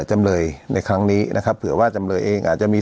จำเลยในครั้งนี้นะครับเผื่อว่าจำเลยเองอาจจะมี